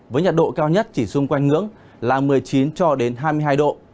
với nhiệt độ cao nhất chỉ xung quanh ngưỡng là một mươi chín cho đến hai mươi hai độ